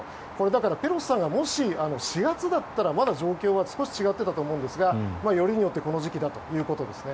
だから、ペロシさんがもし４月だったらまだ状況は少し違っていたと思うんですがよりによってこの時期だったということです。